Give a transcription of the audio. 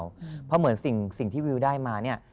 เพราะเหมือนสิ่งที่วิวได้มาเนี่ย